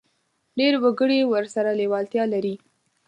ډېر وګړي ورسره لېوالتیا لري.